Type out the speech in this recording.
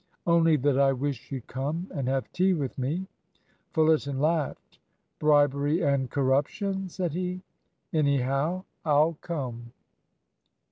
"Only that I wish you'd come and have tea with me." Fullerton laughed. "Bribery and corruption?" said he. "Anyhow, I'll come."